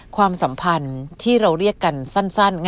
ความสัมพันธ์ที่เราเรียกกันสั้น